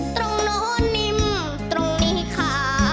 ตรงโนนิ่มตรงนี้คะ